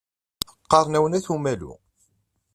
Qqaṛen-awen At Umalu.